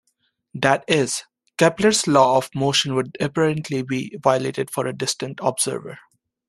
That is, Kepler's laws of motion would apparently be violated for a distant observer.